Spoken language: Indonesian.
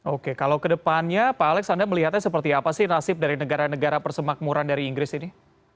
oke kalau ke depannya pak alex anda melihatnya seperti apa sih nasib dari negara negara persemakmuran dari inggris ini